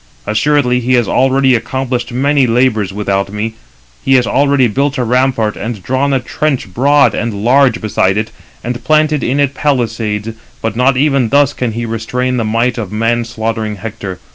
Assuredly he has already accomplished many labours without me. He has already built a rampart, and drawn a trench broad [and] large beside it; and planted in it palisades; but not even thus can he restrain the might of man slaughtering Hector.